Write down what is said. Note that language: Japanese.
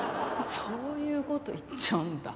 そういう事言っちゃうんだ。